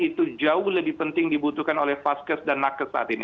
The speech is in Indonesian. itu jauh lebih penting dibutuhkan oleh vaskes dan nakes saat ini